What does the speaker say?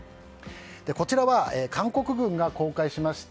こちらは韓国軍が公開しました